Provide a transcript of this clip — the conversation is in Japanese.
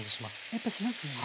やっぱしますよね。